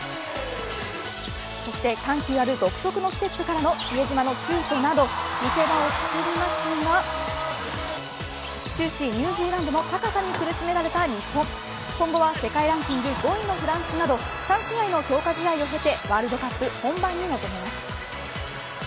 そして緩急ある独特のステップからの比江島のシュートなど見せ場をつくりますが終始、ニュージーランドの高さに苦しめられた日本今後は世界ランキング５位のフランスなど３試合の強化試合を経てワールドカップ本番に臨みます。